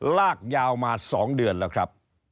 ลากยาวมา๒เดือนแล้วครับ